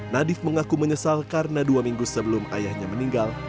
nadif mengaku menyesal karena dua minggu sebelum ayahnya meninggal